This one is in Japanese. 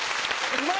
うまい。